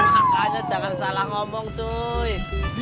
kakaknya jangan salah ngomong cuy